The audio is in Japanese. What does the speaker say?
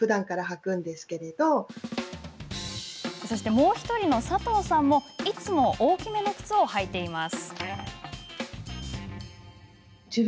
もう１人の佐藤さんもいつも大きめの靴を履いています。